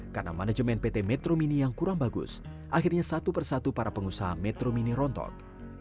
karena manajemen pt metro mini yang kurang bagus akhirnya satu persatu para pengusaha metro mini rontok